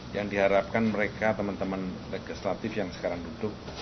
yang diharapkan mereka teman teman legislatif yang sekarang duduk